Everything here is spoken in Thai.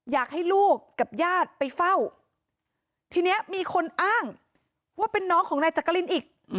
อยากให้ลูกกับญาติไปเฝ้าทีนี้มีคนอ้างว่าเป็นน้องของนายจักรินอีก